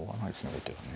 後手はね。